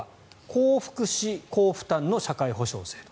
高福祉・高負担の社会保障制度。